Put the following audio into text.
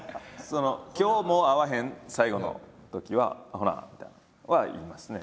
今日もう会わへん最後のときは「ほな」みたいなんは言いますね。